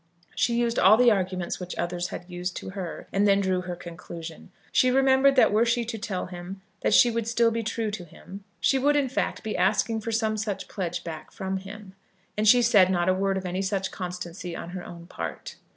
She used all the arguments which others had used to her, and then drew her conclusion. She remembered that were she to tell him that she would still be true to him, she would in fact be asking for some such pledge back from him; and she said not a word of any such constancy on her own part.